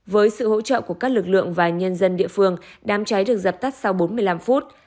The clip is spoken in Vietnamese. với sự hỗ trợ của các lực lượng và nhân dân địa phương đám cháy được dập tắt sau bốn mươi năm phút